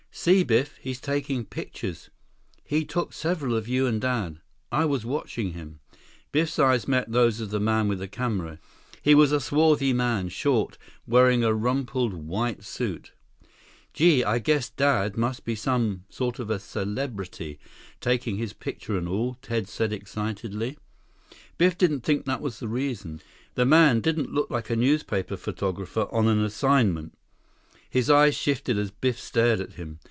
"See, Biff, he's taking pictures. He took several of you and Dad. I was watching him." Biff's eyes met those of the man with the camera. He was a swarthy man, short, wearing a rumpled white suit. "Gee, I guess Dad must be some sort of a celebrity, taking his picture and all," Ted said excitedly. Biff didn't think that was the reason. The man didn't look like a newspaper photographer on an assignment. His eyes shifted as Biff stared at him.